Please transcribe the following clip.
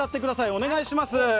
お願いします。